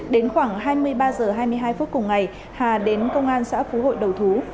đến khoảng hai mươi ba h hai mươi hai phút cùng ngày hà đến công an xã phú hội đầu thú